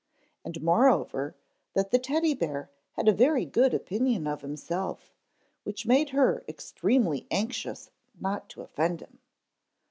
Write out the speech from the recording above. And, moreover, that the Teddy bear had a very good opinion of himself, which made her extremely anxious not to offend him.